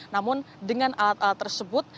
namun dengan alat alat tersebut